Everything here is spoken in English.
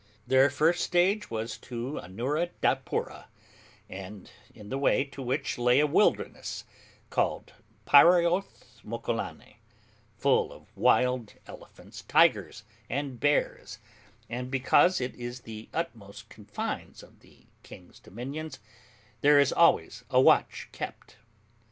Their first stage was to Anuradhapoora, in the way to which lay a wilderness, called Parraoth Mocolane, full of wild elephants, tigers, and bears; and because it is the utmost confines of the king's dominions, there is always a watch kept.